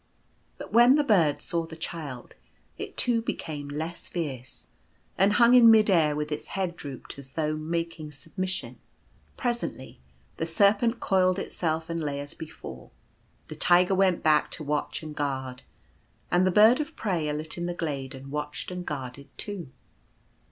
But when the Bird saw the Child it too became less fierce, and hung in mid air with its head drooped as though making submission. Presently the Serpent coiled itself and lay as before, the Tiger went back to watch and guard, and the Bird of Prey alit in the glade and watched and guarded too.